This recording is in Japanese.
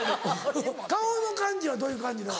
顔の感じはどういう感じのが？